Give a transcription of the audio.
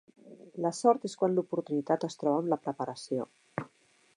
La sort és quan l'oportunitat es troba amb la preparació.